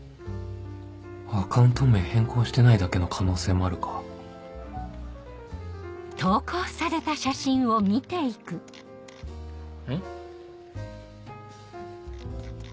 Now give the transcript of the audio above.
アカウント名変更してないだけの可能性もあるかん？